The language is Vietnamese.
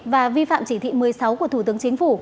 và vi phạm chỉ thị một mươi sáu của thủ tướng chính phủ